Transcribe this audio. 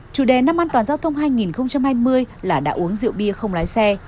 chủ đề năm an toàn giao thông hai nghìn hai mươi là đã uống rượu bia không lái xe